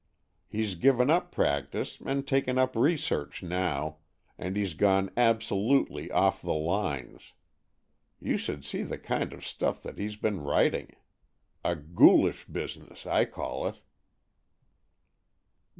He's given up practice and taken up research now, and he's gone absolutely off the lines. You should see the kind of stuff that he's been writing. A ghoulish business, I call it."